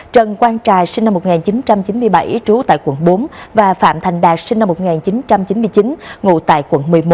trần quang trà sinh năm một nghìn chín trăm chín mươi bảy trú tại quận bốn và phạm thành đạt sinh năm một nghìn chín trăm chín mươi chín ngụ tại quận một mươi một